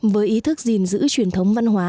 với ý thức gìn giữ truyền thống văn hóa